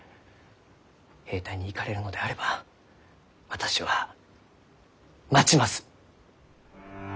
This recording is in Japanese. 兵隊に行かれるのであれば私は待ちます。